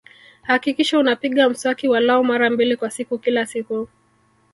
Hakikisha unapiga mswaki walau mara mbili kwa siku kila siku